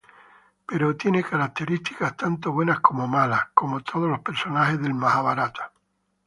Pero, tiene características ambos buenos y malos, como todos los personajes del Majábharata.